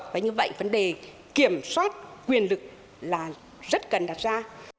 và như vậy vấn đề kiểm soát quyền lực là rất cần đặt ra